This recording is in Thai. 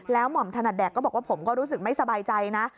หม่อมถนัดแดกก็บอกว่าผมก็รู้สึกไม่สบายใจนะ